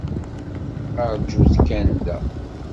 Aṛǧut kan da.